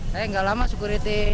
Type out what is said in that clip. saya gak lama sekuriti